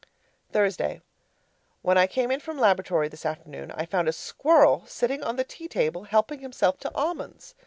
Thursday When I came in from laboratory this afternoon, I found a squirrel sitting on the tea table helping himself to almonds.